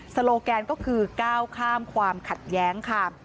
โลแกนก็คือก้าวข้ามความขัดแย้งค่ะ